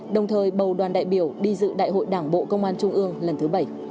đồng thời bầu đoàn đại biểu đi dự đại hội đảng bộ công an trung ương lần thứ bảy